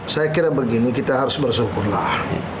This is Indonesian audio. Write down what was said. saya kira begini kita harus bersyukurlah